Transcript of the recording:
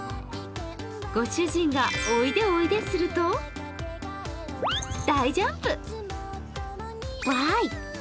ご主人がおいでおいですると大ジャンプ。